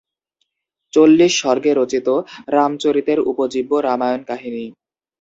চল্লিশ সর্গে রচিত রামচরিতের উপজীব্য রামায়ণ-কাহিনী।